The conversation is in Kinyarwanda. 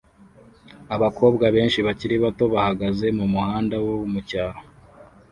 Abakobwa benshi bakiri bato bahagaze mumuhanda wo mucyaro